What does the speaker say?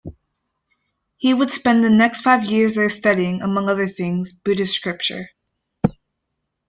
He would spend the next five years there studying, among other things, Buddhist scripture.